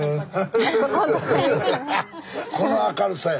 この明るさや。